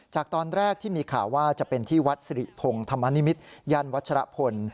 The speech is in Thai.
จากตอนแรกที่มีข่าวว่าจะเป็นที่วัดสิริพงศ์ธรรมนิมิตรย่านวัชรพล